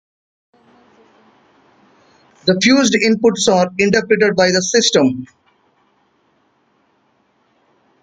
The fused inputs are interpreted by the system.